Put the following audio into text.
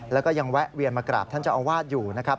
แล้วก็ยังแวะเวียนมากราบท่านเจ้าอาวาสอยู่นะครับ